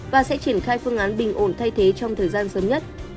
và sẽ triển khai phương án bình ổn thay thế trong thời gian sớm nhất